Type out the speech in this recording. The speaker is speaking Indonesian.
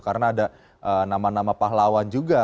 karena ada nama nama pahlawan juga